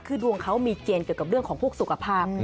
คือดวงเขามีเกณฑ์เกี่ยวกับเรื่องของพวกสุขภาพ